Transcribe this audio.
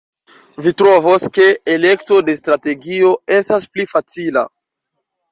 Vi trovos, ke elekto de strategio estas pli facila.